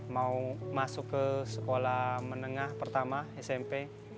mau masuk ke sekolah menengah pertama smp